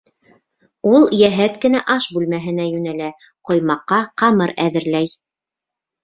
Ул йәһәт кенә аш бүлмәһенә йүнәлә, ҡоймаҡҡа ҡамыр әҙерләй.